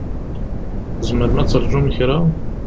Tzemrem ad terǧum kra?